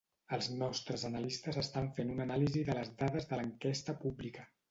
Els nostres analistes estan fent una anàlisi de les dades de l'enquesta pública.